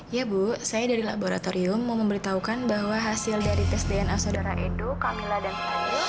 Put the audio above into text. ya bu saya dari laboratorium mau memberitahukan bahwa hasil dari tes dna saudara edo kami ladang